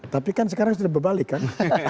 tapi kan sekarang sudah berbalik kan